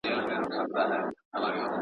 که پوهان نه وای د سياست مانا به نه وه روښانه.